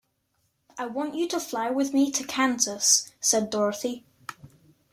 "I want you to fly with me to Kansas," said Dorothy.